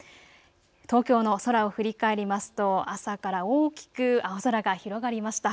東京の空を振り返りますと朝から大きく青空が広がりました。